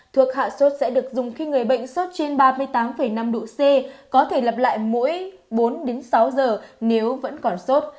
thuộc hạ sốt sẽ được dùng khi người bệnh sốt trên ba mươi tám năm độ c có thể lập lại mỗi bốn đến sáu giờ nếu vẫn còn sốt